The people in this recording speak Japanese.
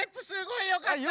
あよかった？